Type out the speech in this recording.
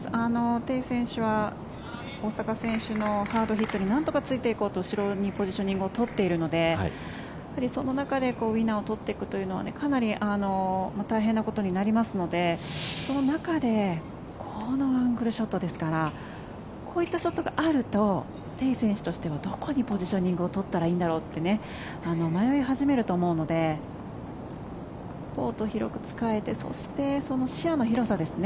テイ選手は大坂選手のハードヒットになんとかついていこうと後ろにポジショニングを取っているのでその中でウィナーを取っていくというのはかなり大変なことになりますのでその中でアングルショットですからこういったショットがあるとテイ選手としてはどこにポジショニングを取ったらいいんだろうって迷い始めると思うのでコートを広く使えてその視野の広さですね。